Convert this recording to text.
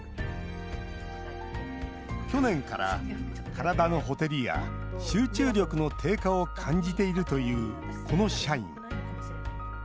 去年から、体のほてりや集中力の低下を感じているというこの社員。